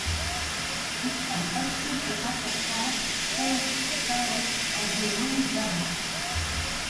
It can "upset the apple cart", cause chaos, or do real damage.